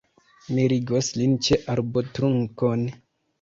Mi ligos lin ĉe arbotrunkon.